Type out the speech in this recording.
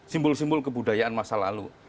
simbol simbol kebudayaan masa lalu